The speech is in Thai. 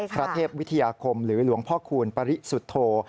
พระเทพวิทยาคมหรือหลวงพ่อคูณปริสุทธโธ